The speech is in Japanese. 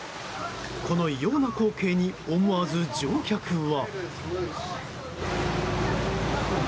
この異様な光景に思わず乗客は。